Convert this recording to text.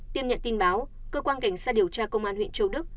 tiếp nhận tin báo cơ quan cảnh sát điều tra công an huyện châu đức